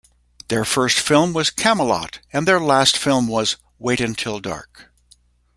Their first film was "Camelot" and their last film was "Wait Until Dark".